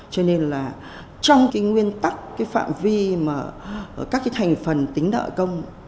cho nên là trong nguyên tắc phạm vi các thành phần tính nợ công